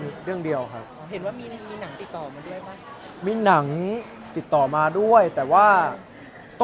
เห็นว่ามีหนังติดต่อมาด้วยหรอ